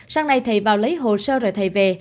sáng nay thầy vào lấy hồ sơ rồi thầy về